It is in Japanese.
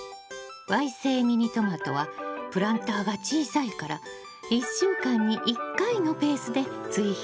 わい性ミニトマトはプランターが小さいから１週間に１回のペースで追肥するのよ。